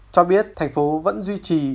cho biết tp hcm vẫn duy trì